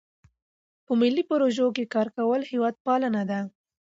په ملي پروژو کې کار کول هیوادپالنه ده.